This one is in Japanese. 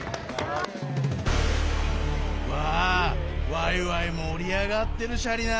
わいわいもりあがってるシャリなあ！